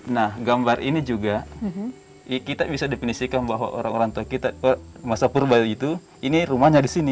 nah gambar ini juga kita bisa definisikan bahwa orang orang tua kita masa purbali itu ini rumahnya di sini